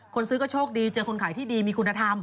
คนซื้อก็โชคดีเจอคนขายที่ดีมีคุณธรรม